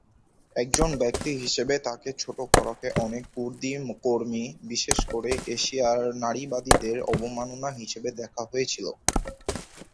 একজন ব্যক্তি হিসেবে তাকে ছোট করাকে অনেক কুর্দি কর্মী, বিশেষ করে এশিয়ার নারীবাদীদের অবমাননা হিসাবে দেখা হয়েছিল।